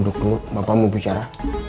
dulu bapak mau bicara